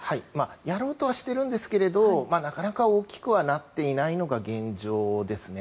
やろうとはしていますがなかなか大きくはなっていないのが現状ですね。